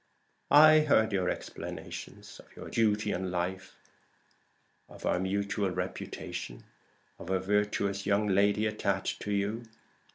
I heard your explanations of your duty in life of our mutual reputation of a virtuous young lady attached to you.